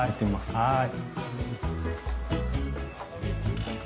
はい。